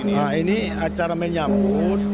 nah ini acara menyambut